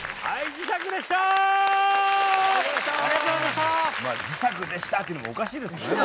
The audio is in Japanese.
「磁石でした！」っていうのもおかしいですけどね何か。